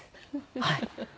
はい。